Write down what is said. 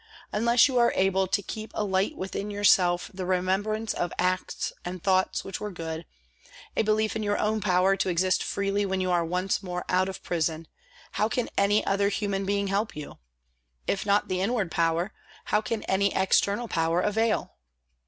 Unless you are able to keep alight within yourself the remembrance of acts and thoughts which were good, x DEDICATION a belief in your own power to exist freely when you are once more out of prison, how can any other human being help you ? If not the inward power, how can any external power avail